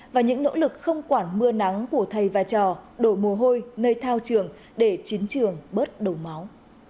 và những nỗ lực không quản mưa nắng của thầy và trò đổi mồ hôi nơi thao trường để chiến trường bớt đổ máu